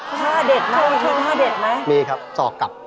ได้เข้าไปเรื่อยมีครับซอกกับ